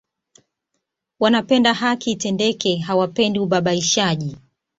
Wanapenda haki itendeke hawapendi ubabaishaji